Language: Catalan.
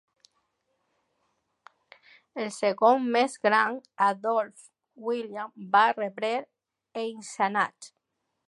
El segon més gran, Adolf William, va rebre Eisenach.